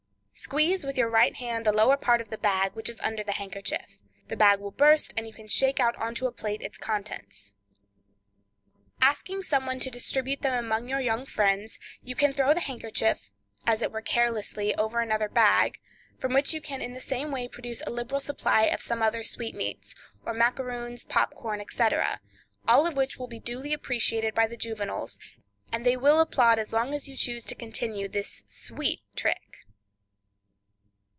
Squeeze with your right hand the lower part of the bag which is under the handkerchief; the bag will burst, and you can shake out into a plate its contents. Asking some one to distribute them among your young friends, you can throw the handkerchief (as it were carelessly) over another bag, from which you can in the same way produce a liberal supply of some other sweetmeats, or macaroons, pop corn, etc., all of which will be duly appreciated by the juveniles, and they will applaud as long as you choose to continue this sweet trick.